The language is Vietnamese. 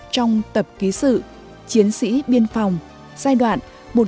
trong tập ký sự chiến sĩ biên phòng giai đoạn một nghìn chín trăm năm mươi chín một nghìn chín trăm bảy mươi năm